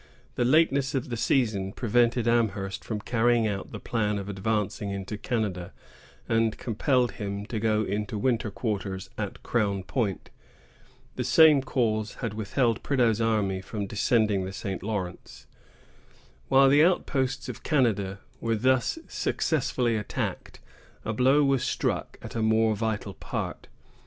The lateness of the season prevented Amherst from carrying out the plan of advancing into Canada, and compelled him to go into winter quarters at Crown Point. The same cause had withheld Prideaux's army from descending the St. Lawrence. While the outposts of Canada were thus successfully attacked, a blow was struck at a more vital part.